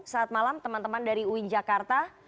saat malam teman teman dari uin jakarta